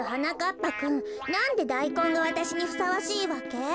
ぱくんなんでダイコンがわたしにふさわしいわけ？